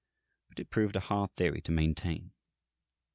But it proved a hard theory to maintain.